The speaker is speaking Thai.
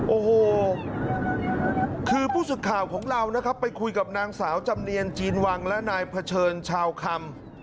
โอ้โหคือผู้สึกข่าวของเรานะครับไปคุยกับนางสาวจำเนียนจีนวังและนายเผชิญชาวคำ